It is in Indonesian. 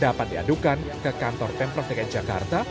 dapat diadukan ke kantor pemprov dki jakarta